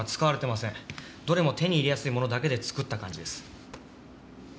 どれも手に入れやすいものだけで作った感じです。